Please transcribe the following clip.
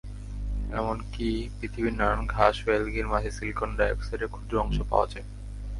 এমনকি পৃথিবীর নানান ঘাস ও এলগির মাঝে সিলিকন ডাইঅক্সাইডের ক্ষুদ্র অংশ পাওয়া যায়।